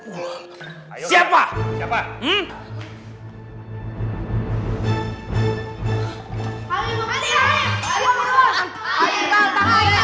wajah aperian apaan aja